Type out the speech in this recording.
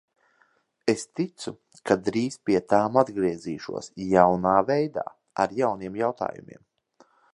Es ticu, ka drīz pie tām atgriezīšos jaunā veidā ar jauniem jautājumiem.